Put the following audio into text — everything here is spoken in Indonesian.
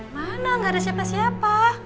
mana gak ada siapa siapa